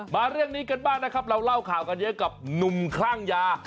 มาเรื่องนี้กันบ้างนะครับเราเล่าข่าวกันเยอะกับหนุ่มคลั่งยา